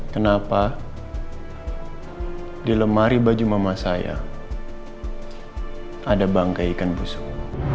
kenapa di lemari baju mama saya ada bangkai ikan busuk